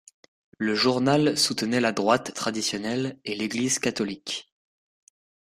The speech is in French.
Le journal soutenait la droite traditionnelle et l'église catholique.